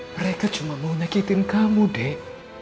mereka cuma mau nyakitin kamu dek